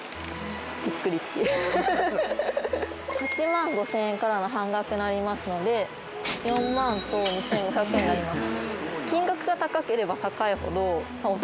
８万５０００円からの半額になりますので４万と２５００円になります。